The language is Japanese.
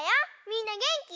みんなげんき？